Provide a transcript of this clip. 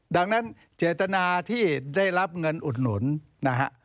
ดังนั้นเจตนาที่ได้รับเงินอุดหนุนนะฮะ